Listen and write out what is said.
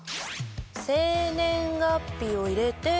生年月日を入れて。